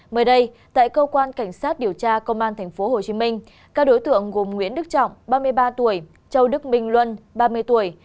mới đây tại cơ quan cảnh sát điều tra công an tp hcm các đối tượng gồm nguyễn đức trọng ba mươi ba tuổi châu đức minh luân ba mươi tuổi